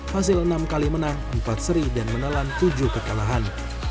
hasil enam kali menang empat seri dan menelan tujuh kekalahan